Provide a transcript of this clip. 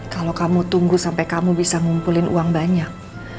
kalau kamu tunggu sampai kamu bisa ngumpulin uang banyak